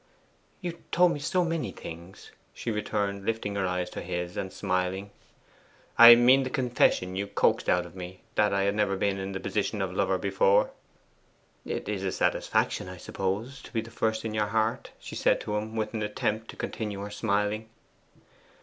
'You told me so many things,' she returned, lifting her eyes to his and smiling. 'I mean the confession you coaxed out of me that I had never been in the position of lover before.' 'It is a satisfaction, I suppose, to be the first in your heart,' she said to him, with an attempt to continue her smiling.